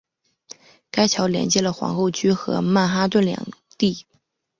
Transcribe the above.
该桥连接了皇后区和曼哈顿两地。